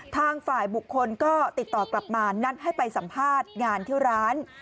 ทางฝ่ายบุคคลก็ติดต่อกลับมานัดให้ไปสัมภาษณ์งานที่ร้าน